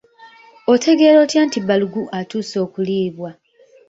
Otegeera otya nti balugu atuuse okuliibwa?